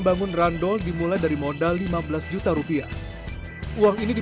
dari hasil dia cuma dapat duit sedikit terus turun ke sini